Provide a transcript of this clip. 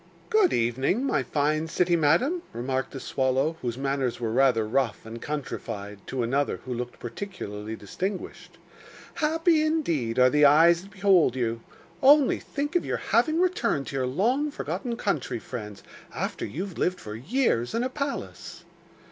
'Good evening, my fine city madam,' remarked a swallow, whose manners were rather rough and countryfied to another who looked particularly distinguished. 'Happy, indeed, are the eyes that behold you! Only think of your having returned to your long forgotten country friends, after you have lived for years in a palace!